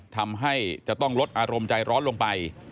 ทำให้จะต้องลดอารมณ์ใจร้อนลงไป